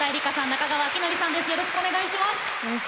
中川晃教さんです。